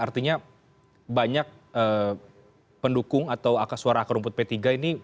artinya banyak pendukung atau akar suara akar rumput p tiga ini